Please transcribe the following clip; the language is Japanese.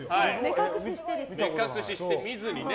目隠しして見ずにね。